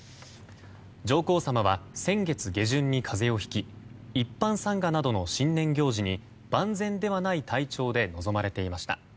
上皇さまは先月下旬に風邪をひき一般参賀などの新年行事に万全ではない体調で臨まれていました。